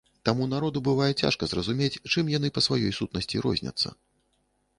Таму народу бывае цяжка зразумець, чым яны па сваёй сутнасці розняцца.